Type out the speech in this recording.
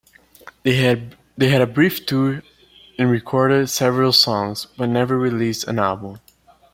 They had a brief tour and recorded several songs, but never released an album.